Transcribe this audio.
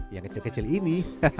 yang kecil kecil ini